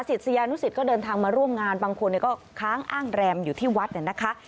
ศิษยานุสิตก็เดินทางมาร่วมงานบางคนก็ค้างอ้างแรมอยู่ที่วัดเนี่ยนะคะ